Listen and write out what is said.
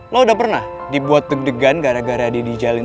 lo udah pernah dibuat deg degan gara gara dijalin